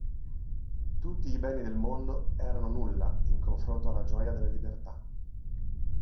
Tutti i beni del mondo erano nulla in confronto alla gioia della libertà.